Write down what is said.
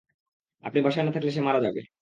আপনি বাসায় না থাকলে সে মারা যাবে!